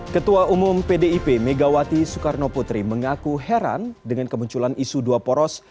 ketua umum pdip megawati soekarno putri mengaku heran dengan kemunculan isu dua poros